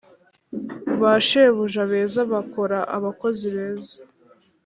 ba shebuja beza bakora abakozi beza.